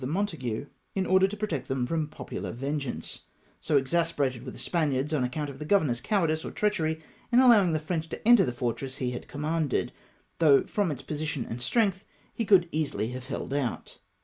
269 Montague^ in order to protect him from popular ven geance, so exasperated were the Spaniards on account of the governor's cowardice or treachery in allowing the French to enter the fortress he had commanded, though from its position and strength he could easily have held out.